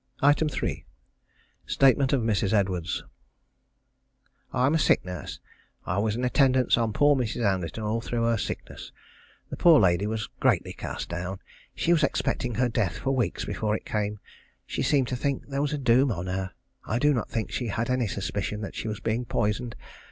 3. Statement of Mrs Edwards. I am a sick nurse. I was in attendance on poor Mrs. Anderton all through her sickness. The poor lady was greatly cast down. She was expecting her death for weeks before it came. She seemed to think there was a doom on her. I do not think she had any suspicion that she was being poisoned.